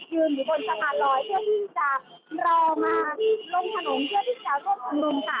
ยืนอยู่บนสะพานรอยเพื่อที่จะรอมาลงขนมเพื่อที่จะร่วมกัน